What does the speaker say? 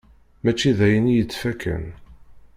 Mačči d ayen i yettfakkan